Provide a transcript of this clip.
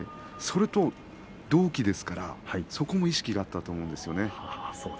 それと同期ですからそこも意識があったと思うんです。